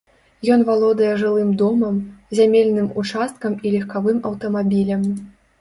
Ён валодае жылым домам, зямельным участкам і легкавым аўтамабілем.